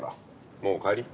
もう帰り。